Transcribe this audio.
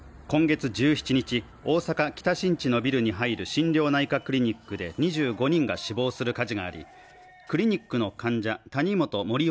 今月１７日大阪北新地のビルに入る心療内科クリニックで２５人が死亡する火事がありクリニックの患者谷本盛雄